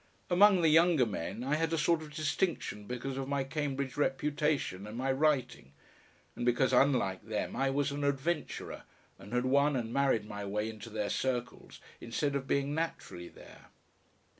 Among the younger men I had a sort of distinction because of my Cambridge reputation and my writing, and because, unlike them, I was an adventurer and had won and married my way into their circles instead of being naturally there.